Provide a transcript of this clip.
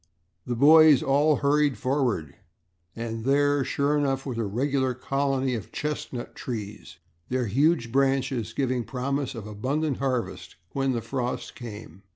The boys all hurried forward and there, sure enough, was a regular colony of chestnut trees, their huge branches giving promise of abundant harvest, when the frost came.